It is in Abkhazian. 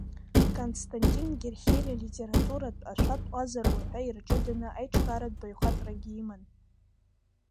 Константин Герхелиа алитературатә, ашәатә ҟазара уҳәа ирҷыданы аиҿкааратә баҩхатәрагьы иман.